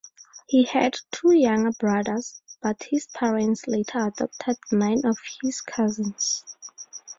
He had two younger brothers, but his parents later adopted nine of his cousins.